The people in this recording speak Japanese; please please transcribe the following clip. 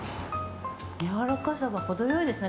やわらかさが程良いですね。